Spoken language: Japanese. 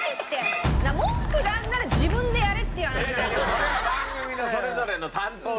これは番組のそれぞれの担当ですから。